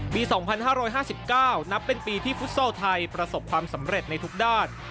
ปี๒๕๕๙นับเป็นปีที่ฟุตซอลไทยประสบความสำเร็จในทุกด้าน